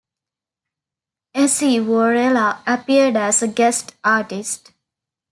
Essi Wuorela appeared as a guest artist.